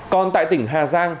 còn tại tỉnh hà giang